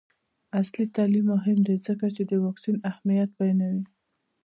عصري تعلیم مهم دی ځکه چې د واکسین اهمیت بیانوي.